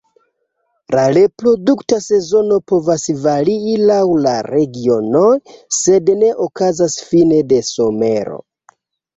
La reprodukta sezono povas varii laŭ la regionoj sed ne okazas fine de somero.